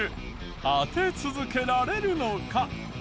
当て続けられるのか？